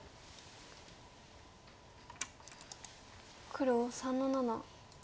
黒３の七。